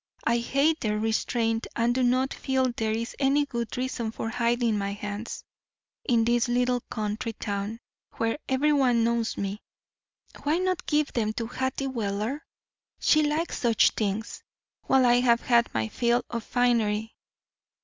I hate their restraint and do not feel there is any good reason for hiding my hands, in this little country town where everyone knows me. Why not give them to Hattie Weller? She likes such things, while I have had my fill of finery.